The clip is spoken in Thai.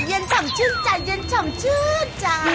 เย็นสำชื่นจ่ะเย็นสำชื่นจ่ะ